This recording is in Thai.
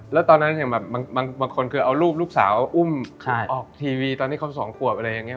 แล้วตอนนั้นอย่างแบบบางคนคือเอารูปลูกสาวอุ้มออกทีวีตอนที่เขาสองขวบอะไรอย่างนี้